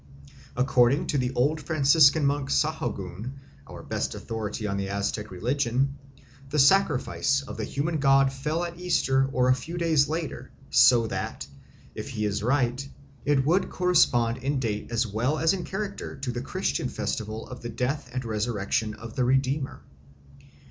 According to the old Franciscan monk Sahagun, our best authority on the Aztec religion, the sacrifice of the human god fell at Easter or a few days later, so that, if he is right, it would correspond in date as well as in character to the Christian festival of the death and resurrection of the Redeemer.